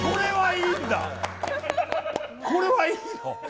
これはいいの？